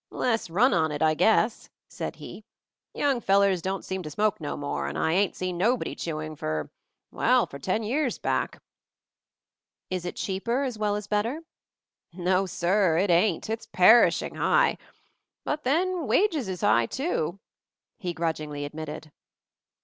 "Less run on it, I guess," said he. "Young fellers don't seem to smoke no more, and I ain't seen nobody chewing for — well, for ten years back," MOVING THE MOUNTAIN 33 ee ls it cheaper as well as better?" No, sir, it ain't. It's perishing high. But then, wages is high, too," he grudgingly admitted.